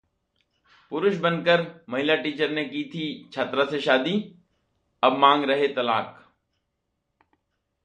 पुरुष बनकर महिला टीचर ने की थी छात्रा से शादी, अब मांग रहे तलाक